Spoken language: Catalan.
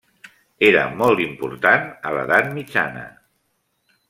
Era molt important a l'Edat Mitjana.